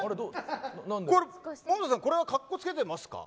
百田さんこれは格好つけてますか。